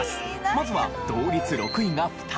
まずは同率６位が２つ。